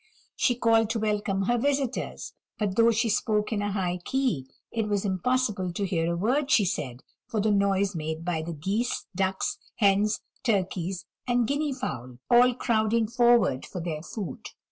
She called to welcome her visitors; but though she spoke in a high key, it was impossible to hear a word she said for the noise made by the geese, ducks, hens, turkeys, and guinea fowl all crowding forward for their food.